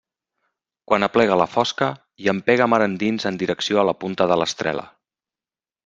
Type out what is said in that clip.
Quan aplega la fosca, llampega mar endins en direcció a la punta de l'Estrela.